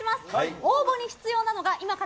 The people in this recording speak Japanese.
応募に必要なのが、今から